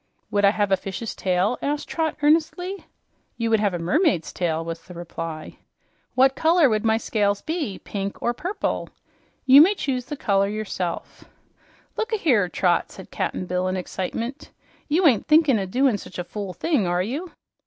"Would I have a fish's tail?" asked Trot earnestly. "You would have a mermaid's tail," was the reply. "What color would my scales be pink, or purple?" "You may choose the color yourself." "Look ahere, Trot!" said Cap'n Bill in excitement. "You ain't thinkin' o' doin' such a fool thing, are you?"